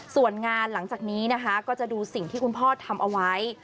ส่วนงานหลังจากนี้นะคะก็จะดูสิ่งที่คุณพ่อทำเอาไว้